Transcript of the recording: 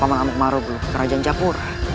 paman amuk maruglu kerajaan jafura